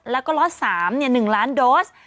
และล็อส๓และ๑ล้านโดส